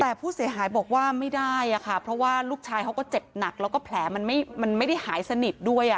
แต่ผู้เสียหายบอกว่าไม่ได้ค่ะเพราะว่าลูกชายเขาก็เจ็บหนักแล้วก็แผลมันไม่ได้หายสนิทด้วย